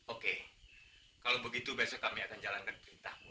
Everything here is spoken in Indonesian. oke kalau begitu besok kami akan jalankan perintahmu